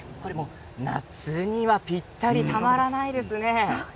夏にはぴったりたまらないですね。